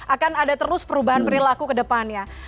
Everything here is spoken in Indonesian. akan ada terus perubahan perilaku kedepannya